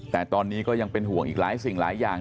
แต่ตอนนี้ก็ยังเป็นห่วงอีกหลายสิ่งหลายอย่าง